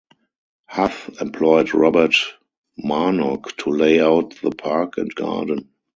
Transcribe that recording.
Huth employed Robert Marnock to lay out the park and garden.